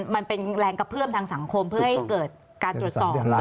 มันเป็นแรงกระเพื่อมทางสังคมเพื่อให้เกิดการตรวจสอบ